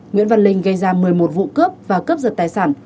nguyễn văn linh gây ra một mươi một vụ cướp và cướp giật tài sản